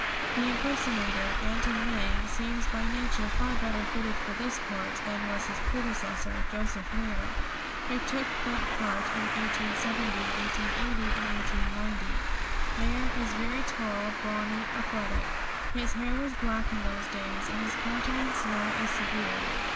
The impersonator, Anton Lang, seems by nature far better fitted for this part than was his predecessor, Josef Mayr, who took that part in 1870, 1880, and 1890. Mayr is very tall, brawny, athletic. His hair was black in those days, and his countenance now is severe.